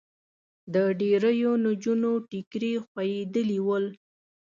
د ډېریو نجونو ټیکري خوېدلي ول.